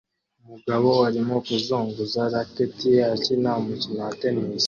Umugabo arimo kuzunguza racket ye akina umukino wa tennis